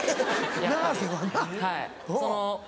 永瀬はな。